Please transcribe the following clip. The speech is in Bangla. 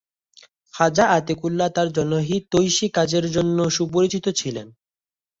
খাজা আতিকুল্লাহ তাঁর জনহিতৈষী কাজের জন্য সুপরিচিত ছিলেন।